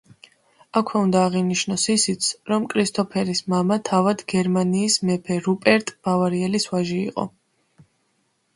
აქვე უნდა აღინიშნოს ისიც, რომ კრისტოფერის მამა თავად გერმანიის მეფე რუპერტ ბავარიელის ვაჟი იყო.